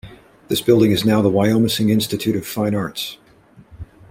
This building is now the Wyomissing Institute of Fine Arts.